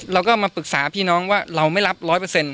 เราก็มาปรึกษาพี่น้องว่าเราไม่รับร้อยเปอร์เซ็นต